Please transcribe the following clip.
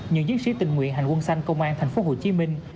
những chiến sĩ tình nguyện hành quân xanh công an thành phố hồ chí minh